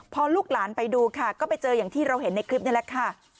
พอลูกหลานไปดูค่ะก็ไปเจออย่างที่เราเห็นในคลิปนี่แหละค่ะ